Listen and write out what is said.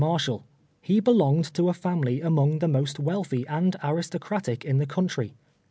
Marshall. He belonged to a family among the most wealthy and aristocratic in the country.